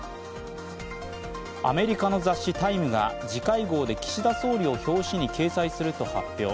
アメリカの雑誌「タイム」が次回号で岸田総理を表紙に掲載すると発表。